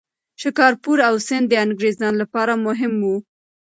شکارپور او سند د انګریزانو لپاره مهم وو.